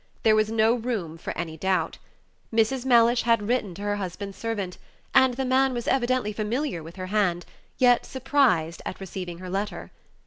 There was no room for any doubt. Mrs. Mellish had written to her husband's servant, and the man was evidently familiar with her hand, yet surprised at receiving her letter.